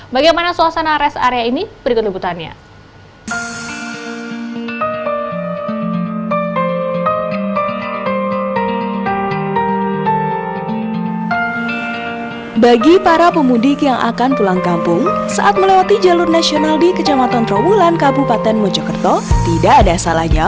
bagaimana suasana rest area ini berikut liputannya